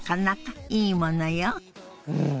うん！